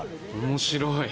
面白い。